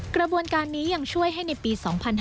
กระบวนการนี้ยังช่วยให้ในปี๒๕๕๙